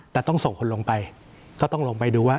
แต่ต้องส่งคนลงไปก็ต้องลงไปดูว่า